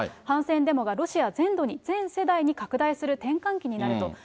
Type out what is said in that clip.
反戦デモがロシア全土に、全世代に拡大する転換期になると。